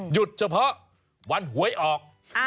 หยุดเฉพาะวันหวยออก